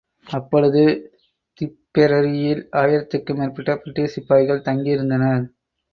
அப்பொழுது திப்பெரரியில் ஆயிரத்திற்கு மேற்பட்ட பிரிட்டிஷ் சிப்பாய்கள் தங்கியிருந்தனர்.